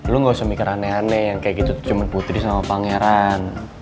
lu gak usah mikir aneh aneh yang kayak gitu tuh cuman putri sama pangeran